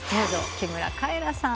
木村カエラさん。